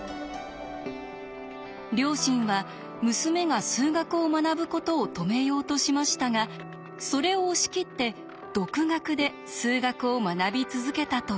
両親は娘が数学を学ぶことを止めようとしましたがそれを押し切って独学で数学を学び続けたといいます。